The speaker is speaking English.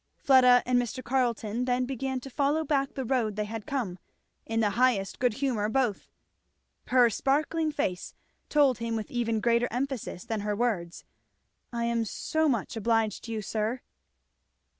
Fleda and Mr. Carleton then began to follow back the road they had come, in the highest good humour both. Her sparkling face told him with even greater emphasis than her words, "I am so much obliged to you, sir."